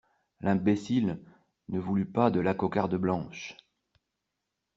L'imbécile, ne voulut pas de la cocarde blanche.